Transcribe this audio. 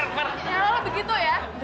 ya lalu begitu ya